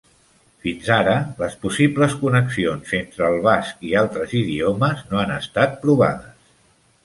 Fins ara, les possibles connexions entre el basc i altres idiomes no han estat provades.